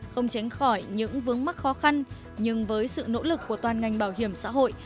không tránh khỏi những vướng mắc khó khăn nhưng với sự nỗ lực của toàn ngành bảo hiểm xã hội